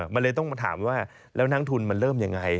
มันเลยต้องมาถามว่าแล้วนักทุนมันเริ่มยังไง